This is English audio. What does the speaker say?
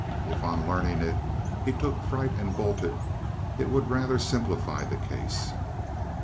If, on learning it, he took fright and bolted, it would rather simplify the case.